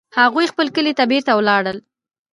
هغوی خپل کلي ته بیرته ولاړل